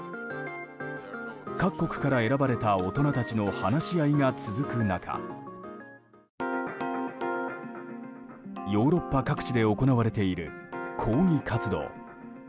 各国から選ばれた大人たちの話し合いが続く中ヨーロッパ各地で行われている抗議活動。